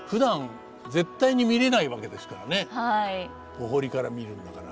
お堀から見るんだから。